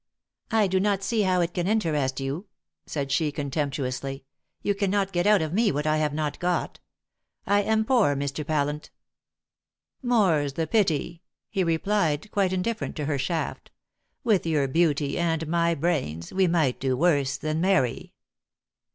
"I do not see how it can interest you," said she contemptuously; "you cannot get out of me what I have not got. I am poor, Mr. Pallant." "More's the pity!" he replied, quite indifferent to her shaft. "With your beauty and my brains, we might do worse than marry!"